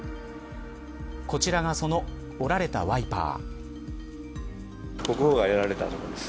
こちらが折られたワイパー。